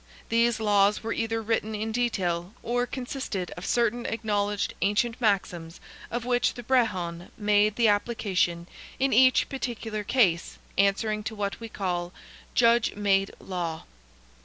These laws were either written in detail, or consisted of certain acknowledged ancient maxims of which the Brehon made the application in each particular case, answering to what we call "Judge made law."